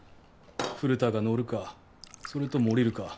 古田が乗るかそれとも降りるか。